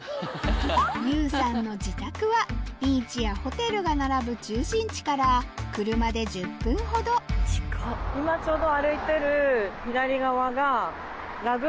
ゆうさんの自宅はビーチやホテルが並ぶ中心地から車で１０分ほど今ちょうど歩いてる。